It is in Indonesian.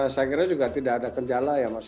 saya kira juga tidak ada kendala ya mas